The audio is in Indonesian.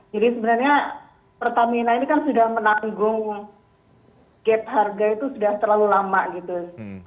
jadi sebenarnya pertamina ini kan sudah menanggung gap harga itu sudah terlalu lama gitu